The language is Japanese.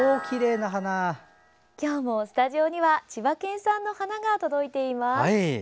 今日もスタジオには千葉県産の花が届いています。